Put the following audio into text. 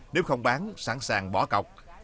nếu không bán sẵn sàng bỏ cọc